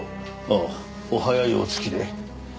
ああお早いお着きで。